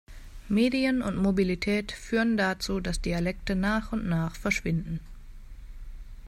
Medien und Mobilität führen dazu, dass Dialekte nach und nach verschwinden.